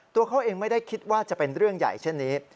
ตัวเขาเองไม่ได้คิดว่าจะเป็นเรื่องใหญ่เช่นนี้